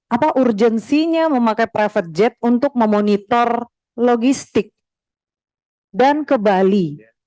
apa urgensinya memakai private jet untuk memonitor logistik dan ke bali